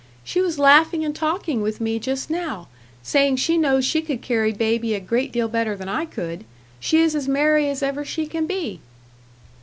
She was laughing and talking with me just now saying she knows she could carry baby a great deal better than I could. She is as merry as ever she can be."